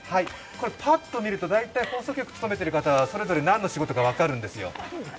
パッと見ると、放送局に務めている人、大体何の仕事か分かるんですよ